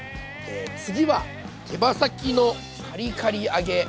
次は手羽先のカリカリ揚げ。